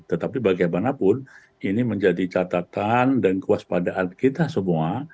tetapi bagaimanapun ini menjadi catatan dan kewaspadaan kita semua